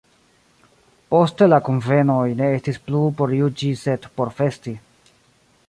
Poste la kunvenoj ne estis plu por juĝi sed por festi.